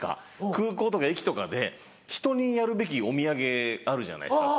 空港とか駅とかでひとにやるべきお土産あるじゃないですか。